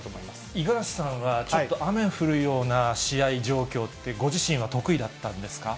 五十嵐さんは、ちょっと雨降るような試合状況って、ご自身は得意だったんですか？